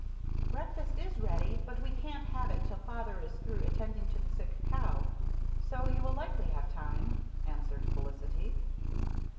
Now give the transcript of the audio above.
"Breakfast is ready, but we can't have it till father is through attending to the sick cow, so you will likely have time," answered Felicity.